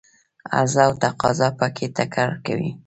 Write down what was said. عرضه او تقاضا په کې ټکر کوي.